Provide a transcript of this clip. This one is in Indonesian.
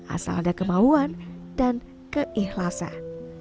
asal ada kemauan dan keikhlasan